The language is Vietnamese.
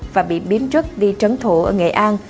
và bị biếm rứt đi trấn thủ ở nghệ an